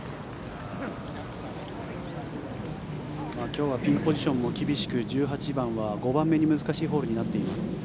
今日はピンポジションも厳しく１８番は５番目に難しくなっています。